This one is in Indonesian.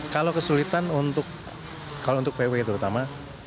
kalau kesulitan untuk vw terutama